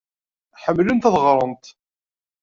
Ḥemmlent ad ɣrent.